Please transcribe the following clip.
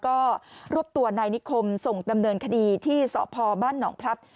ก็รวบตัวนายนิคมส่งดำเนินคดีที่สพบ้านหนองพลับ